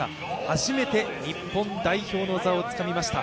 初めて日本代表の座をつかみました。